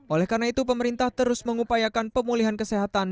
oleh karena itu pemerintah terus mengupayakan pemulihan kesehatan